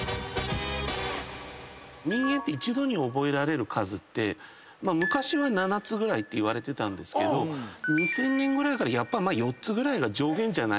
人間一度に覚えられる数って昔は７つぐらいっていわれてたんですけど２０００年ぐらいからやっぱ４つぐらいが上限じゃないか。